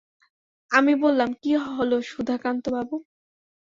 আমি বললাম, কী হল সুধাকান্তবাবু?